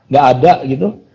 ga ada gitu